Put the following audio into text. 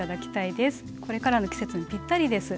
これからの季節にぴったりです。